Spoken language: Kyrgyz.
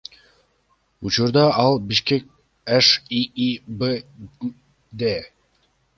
Учурда ал Бишкек ШИИБде.